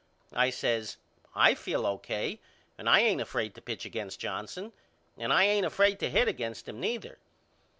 I says I feel O.K. and I ain't afraid to pitch against Johnson and I ain't afraid to hit against him neither.